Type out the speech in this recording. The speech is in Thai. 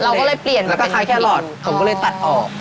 เราก็เลยเปลี่ยนเป็นคล้ายแครอทผมก็เลยตัดออก